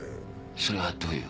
それはどういう？